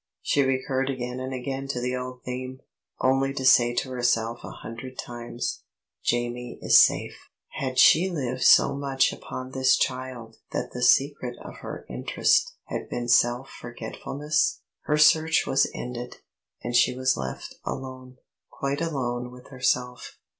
She recurred again and again to the old theme, only to say to herself a hundred times, "Jamie is safe." Had she lived so much upon this child that the secret of her interest had been self forgetfulness? Her search was ended, and she was left alone quite alone with herself.